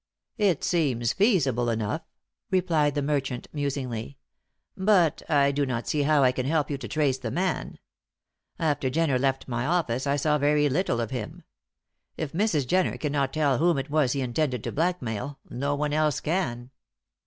"It seems feasible enough," replied the merchant, musingly. "But I do not see how I can help you to trace the man. After Jenner left my office I saw very little of him. If Mrs. Jenner cannot tell whom it was he intended to blackmail no one else can."